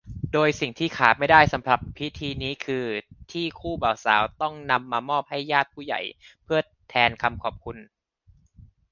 โดยสิ่งที่ขาดไม่ได้สำหรับพิธีนี้คือ ที่คู่บ่าวสาวต้องนำมามอบให้ญาติผู้ใหญ่เพื่อแทนคำขอบคุณ